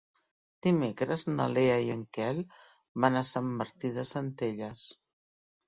Dimecres na Lea i en Quel van a Sant Martí de Centelles.